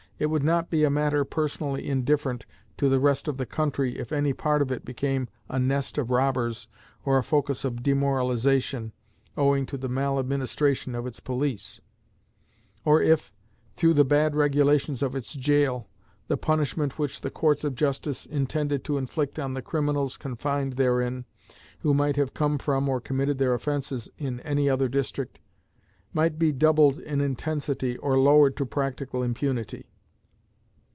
It would not be a matter personally indifferent to the rest of the country if any part of it became a nest of robbers or a focus of demoralization, owing to the maladministration of its police; or if, through the bad regulations of its jail, the punishment which the courts of justice intended to inflict on the criminals confined therein (who might have come from, or committed their offenses in, any other district) might be doubled in intensity or lowered to practical impunity.